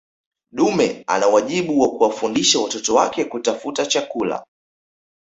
dume ana wajibu wa kuwafundisha watoto wake kutafuta chakula